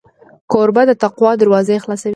کوربه د تقوا دروازې خلاصوي.